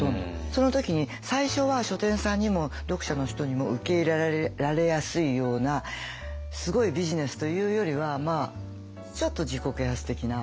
その時に最初は書店さんにも読者の人にも受け入れられやすいようなすごいビジネスというよりはちょっと自己啓発的な。